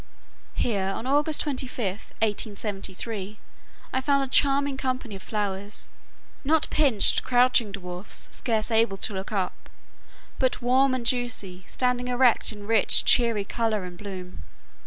Here, on August 25, 1873, I found a charming company of flowers, not pinched, crouching dwarfs, scarce able to look up, but warm and juicy, standing erect in rich cheery color and bloom.